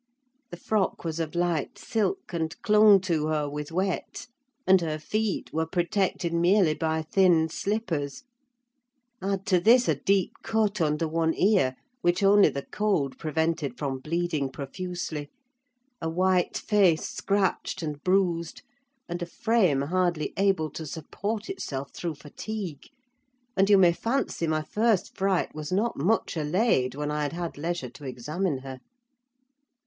The frock was of light silk, and clung to her with wet, and her feet were protected merely by thin slippers; add to this a deep cut under one ear, which only the cold prevented from bleeding profusely, a white face scratched and bruised, and a frame hardly able to support itself through fatigue; and you may fancy my first fright was not much allayed when I had had leisure to examine her.